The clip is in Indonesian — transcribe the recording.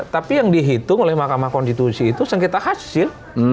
tapi yang dihitung oleh mahkamah konstitusi itu sengketa hasil